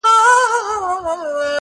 د کرونا له تودې تبي څخه سوړ سو!.